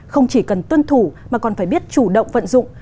không chỉ cần tuân thủ mà còn phải biết chủ động vận dụng